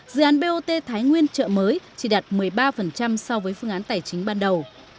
dự án bot thái nguyên chợ mới chỉ đạt một mươi ba so với phương án tài chính ban đầu